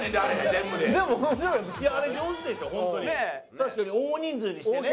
確かに大人数にしてね。